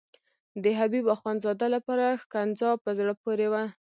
د حبیب اخندزاده لپاره ښکنځا په زړه پورې وه.